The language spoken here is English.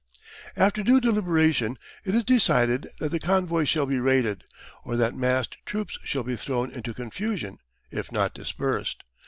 After due deliberation it is decided that the convoys shall be raided, or that massed troops shall be thrown into confusion, if not dispersed.